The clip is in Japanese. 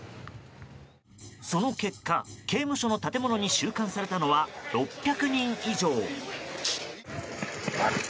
その結果、刑務所の建物に収監されたのは６００人以上。